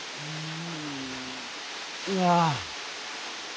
うん？